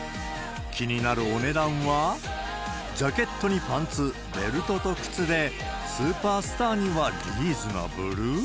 気になるお値段は、ジャケットにパンツ、ベルトと靴で、スーパースターにはリーズナブル？